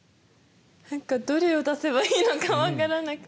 何かどれを出せばいいのか分からなくて。